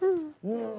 うん。